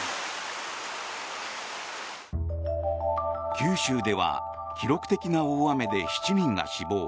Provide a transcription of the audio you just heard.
九州では記録的な大雨で７人が死亡。